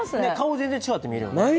全然違って見えるよね